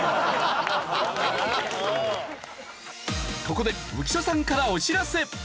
ここで浮所さんからお知らせ